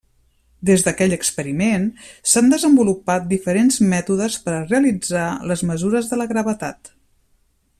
Des d'aquell experiment s'han desenvolupat diferents mètodes per realitzar les mesures de la gravetat.